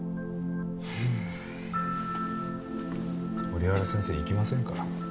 折原先生行きませんか？